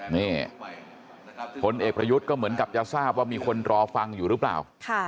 นี่พลเอกประยุทธ์ก็เหมือนกับจะทราบว่ามีคนรอฟังอยู่หรือเปล่า